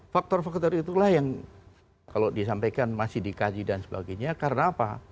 faktor faktor itulah yang kalau disampaikan masih dikaji dan sebagainya karena apa